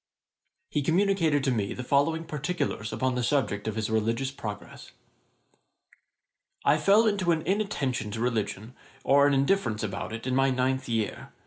] He communicated to me the following particulars upon the subject of his religious progress. 'I fell into an inattention to religion, or an indifference about it, in my ninth year.